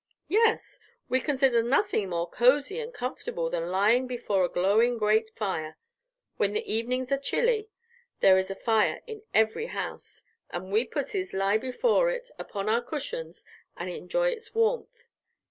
"Yes; we consider nothing more cozy and comfortable than lying before a glowing grate fire. When the evenings are chilly there is a fire in every house, and we pussys lie before it upon our cushions and enjoy its warmth.